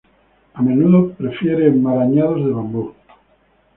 A menudo prefiere enmarañados de bambú.